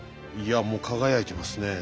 いやもう輝いてますね。